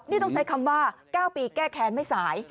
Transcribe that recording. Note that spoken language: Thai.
นี่ต้องใช้คำว่า๙ปีแก้แค้นไม่สาย